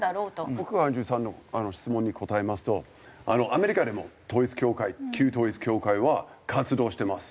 僕がアンジュさんの質問に答えますとアメリカでも統一教会旧統一教会は活動してます。